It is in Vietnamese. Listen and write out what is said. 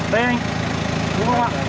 đây anh đúng không ạ